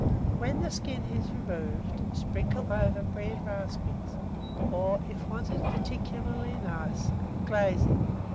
When the skin is removed, sprinkle over bread raspings, or, if wanted particularly nice, glaze it.